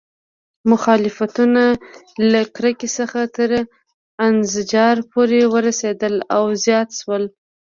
مخالفتونه له کرکې څخه تر انزجار پورې ورسېدل او زیات شول.